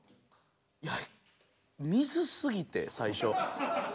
いや水すぎて最初。